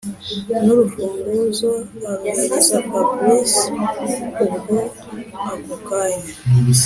n’urufunguzo aruhereza fabric ubwo ako kanya